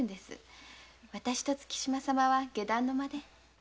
私と月島様は下段の間で。